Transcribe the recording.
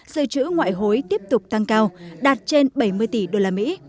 sự chữ ngoại hối tiếp tục tăng cao đạt trên bảy mươi tỷ usd